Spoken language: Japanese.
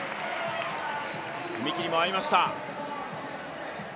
踏み切りも合いました。